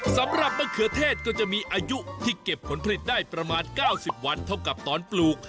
สำหรับมะเขือเทศก็จะมีอายุที่เก็บผลผลิตได้ประมาณ๙๐วันเท่ากับตอนปลูก